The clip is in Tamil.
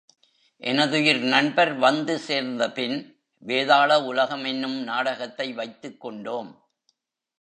எனதுயிர் நண்பர் வந்து சேர்ந்த பின், வேதாள உலகம் என்னும் நாடகத்தை வைத்துக் கொண்டோம்.